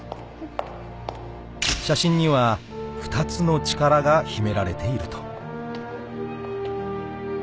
［写真には２つの力が秘められていると］